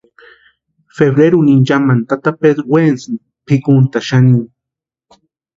Febreruni inchamani tata Pedró wenasïnti pʼikuntani xanini.